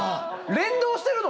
連動してるの？